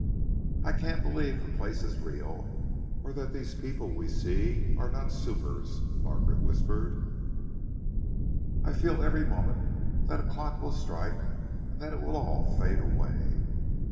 "I can't believe that the place is real, or that these people we see are not supers," Margaret whispered. "I feel every moment that a clock will strike and that it will all fade away."